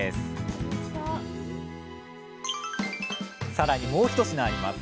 さらにもう一品あります。